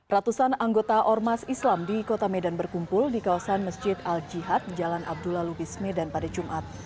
ratusan anggota ormas islam di kota medan berkumpul di kawasan masjid al jihad jalan abdullah lubis medan pada jumat